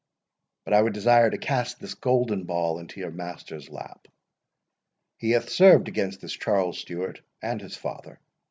But I would desire to cast this golden ball into your master's lap. He hath served against this Charles Stewart and his father.